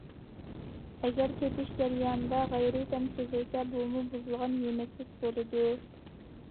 ئەگەر تېتىش جەريانىدا غەيرىي تەم سېزىلسە، بۇمۇ بۇزۇلغان يېمەكلىك بولىدۇ.